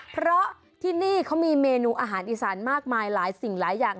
เพราะที่นี่เขามีเมนูอาหารอีสานมากมายหลายสิ่งหลายอย่าง